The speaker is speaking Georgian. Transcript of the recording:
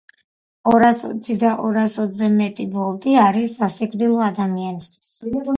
ორას ოცი და ორას ოცზე მეტი ვოლტი არის სასიკვდილო ადამიანისთვის.